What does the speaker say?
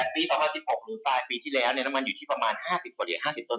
ปี๒๐๑๖หรือปลายปีที่แล้วน้ำมันอยู่ที่ประมาณ๕๐กว่าเหรียญ๕๐ต้น